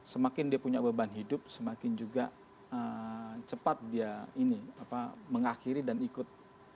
semakin dia punya beban hidup semakin juga cepat dia mengakhiri dan ikut